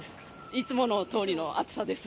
いつものとおりの暑さです。